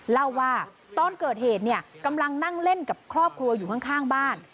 เล่าว่าตอนเกิดเหตุเนี่ยกำลังนั่งเล่นกับครอบครัวอยู่ข้างบ้าน